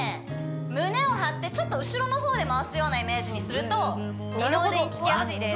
胸を張ってちょっと後ろの方で回すようなイメージにすると二の腕にききやすいです